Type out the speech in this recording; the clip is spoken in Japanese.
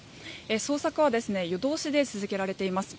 捜索は夜通しで続けられています。